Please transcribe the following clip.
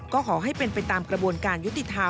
ก็ขอให้เป็นไปตามกระบวนการยุติธรรม